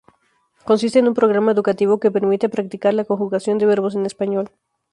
Consiste en un programa educativo que permite practicar la conjugación de verbos en español.